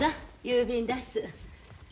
郵便だす。